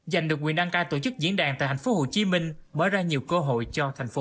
dành được quyền đăng ca tổ chức diễn đàn tại thành phố hồ chí minh bởi ra nhiều cơ hội cho thành phố